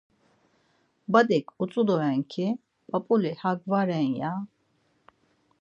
Badik utzu doren-ki, 'p̌ap̌uli hak va ren' ya.